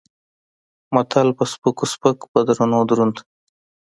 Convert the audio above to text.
متل: په سپکو سپک په درونو دروند.